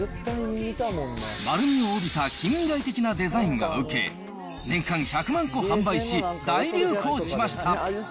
丸みを帯びた近未来的なデザインが受け、年間１００万個販売し、大流行しました。